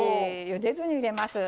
ゆでずに入れます。